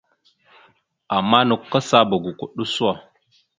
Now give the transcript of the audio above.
Ama nakw kasaba goko ɗʉso.